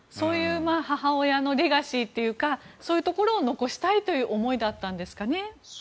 母親のレガシーというかそういうところを残したいという思いだったんですかね。